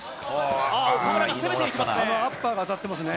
岡村が攻めていきますね。